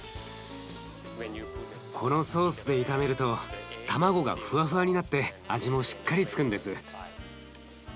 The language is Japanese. このソースで炒めると卵がふわふわになって味もしっかり付くんです。